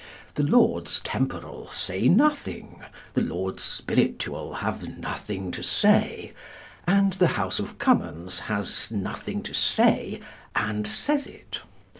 The Lords Temporal say nothing, the Lords Spiritual have nothing to say, and the House of Commons has nothing to say and says it.